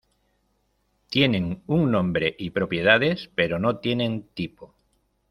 Tienen un nombre y propiedades pero no tienen tipo.